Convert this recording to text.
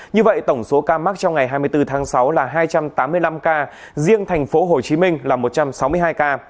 như vậy tổng số ca mắc trong ngày hai mươi bốn tháng sáu là hai trăm tám mươi năm ca riêng tp hcm là một trăm sáu mươi hai ca